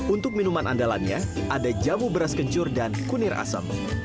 untuk minuman andalannya ada jamu beras kencur dan kunir asem